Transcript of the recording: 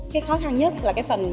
cái khó khăn nhất là cái phần